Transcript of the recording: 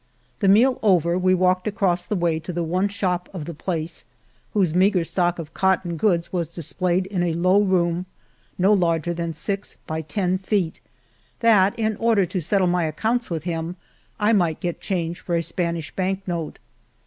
The meal over, we walked across the way to the one shop of the place, whose meagre stock of cotton goods was displayed in a low room no larger than six by ten feet, that, in order to settle my accounts with him, I might get change for a Spanish bank note.